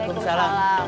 semarang semarang semarang